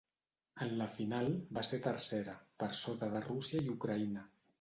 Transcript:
En la final, va ser tercera, per sota de Rússia i Ucraïna.